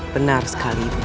benar sekali ibu anda